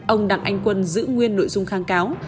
ông đặng anh quân giữ nguyên nội dung kháng cáo